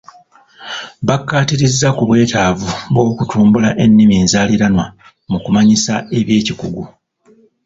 Baakatiriza ku bwetavu bwokutumbula ennimi enzaalirwana mu kumanyisa ebyekikugu.